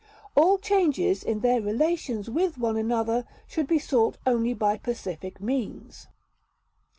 . all changes in their relations with one another should be sought only by pacific means